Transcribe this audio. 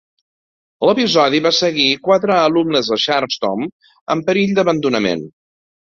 L'episodi va seguir quatre alumnes de Sharpstown en perill d'abandonament.